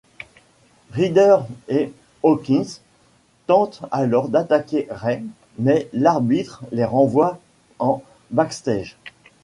Ryder & Hawkins tentent alors d'attaquer Rey mais l'arbitre les renvois en backstage.